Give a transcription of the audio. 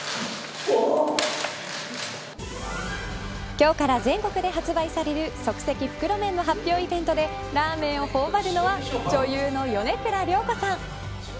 今日から全国で発売される即席袋麺の発表イベントでラーメンをほおばるのは女優の米倉涼子さん。